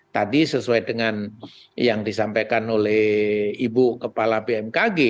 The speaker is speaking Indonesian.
tadi sesuai dengan yang disampaikan oleh ibu kepala bmkg